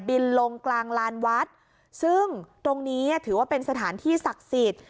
ลงกลางลานวัดซึ่งตรงนี้ถือว่าเป็นสถานที่ศักดิ์สิทธิ์